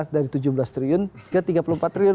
dari tujuh belas triliun ke tiga puluh empat triliun